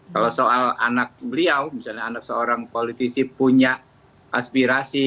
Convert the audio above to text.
kalau soal anak beliau misalnya anak seorang politisi punya aspirasi